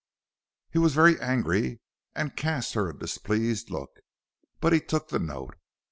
He was very angry, and cast her a displeased look, but he took the note.